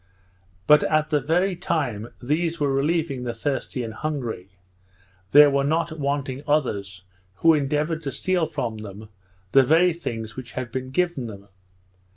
But at the very time these were relieving the thirsty and hungry, there were not wanting others who endeavoured to steal from them the very things which had been given them.